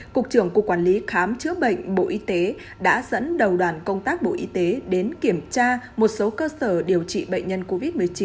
cục trưởng cục quản lý khám chữa bệnh bộ y tế đã dẫn đầu đoàn công tác bộ y tế đến kiểm tra một số cơ sở điều trị bệnh nhân covid một mươi chín